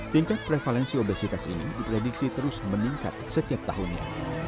tingkat prevalensi obesitas ini diprediksi terus meningkat setiap tahunnya